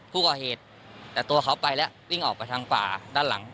ผู้ก่อเหตุแต่ตัวเขาไปแล้ววิ่งออกไปทางป่าด้านหลัง